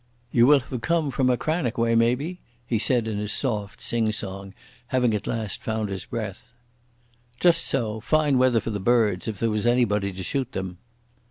"You will haf come from Achranich way, maybe?" he said in his soft sing song, having at last found his breath. "Just so. Fine weather for the birds, if there was anybody to shoot them."